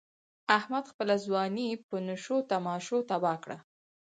احمد خپله ځواني په نشو تماشو تباه کړ.